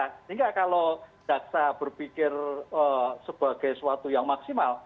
sehingga kalau jaksa berpikir sebagai suatu yang maksimal